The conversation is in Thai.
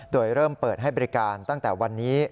โดยเริ่มเปิดให้บริการตั้งแต่วันนี้